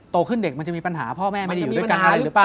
โตขึ้นเด็กมันจะมีปัญหาพ่อแม่ไม่ได้อยู่ด้วยกันอะไรหรือเปล่า